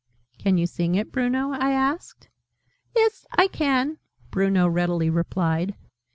"Can you sing it, Bruno?" I asked. "Iss, I can," Bruno readily replied.